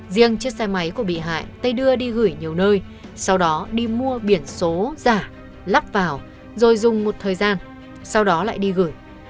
riêng chiếc xe máy của bị hại tây đưa đi gửi nhiều nơi sau đó đi mua biển số giả lắp vào rồi dùng một thời gian sau đó lại đi gửi